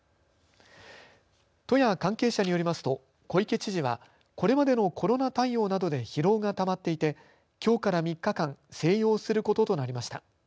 都や関係者によりますと小池知事はこれまでのコロナ対応などで疲労がたまっていてきょうから３日間静養することとなりました。